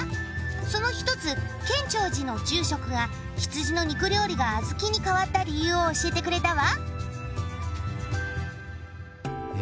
その一つ建長寺の住職が羊の肉料理が小豆に変わった理由を教えてくれたわ。